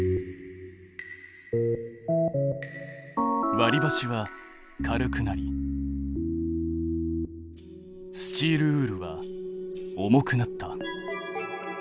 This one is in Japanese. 割りばしは軽くなりスチールウールは重くなった。